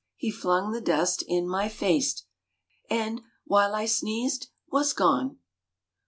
he flung the dust in my face, And, while I sneezed, Was gone!